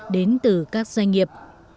đến từ các doanh nghiệp